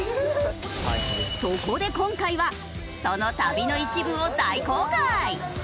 そこで今回はその旅の一部を大公開！